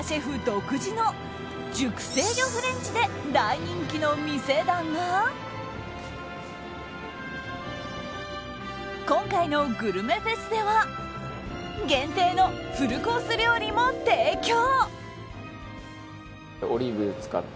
独自の熟成魚フレンチで大人気の店だが今回のグルメフェスでは限定のフルコース料理も提供。